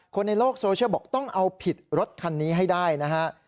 คนในโลกโซเชียลบอกต้องเอาผิดรถคันนี้ให้ได้นะฮะ